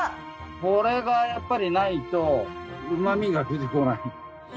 これがやっぱりないとうまみが出てこない。